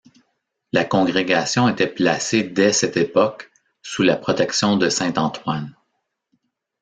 La congrégation était placée dès cette époque sous la protection de saint Antoine.